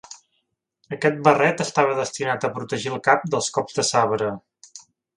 Aquest barret estava destinat a protegir el cap dels cops de sabre.